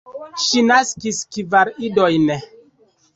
Ŝi naskis kvar idojn.